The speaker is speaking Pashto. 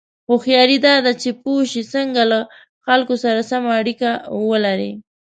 هوښیاري دا ده چې پوه شې څنګه له خلکو سره سمه اړیکه ولرې.